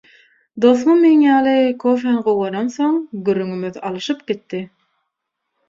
Dostumam meň ýaly kofäni gowy görensoň, gürrüňimiz alyşyp gitdi.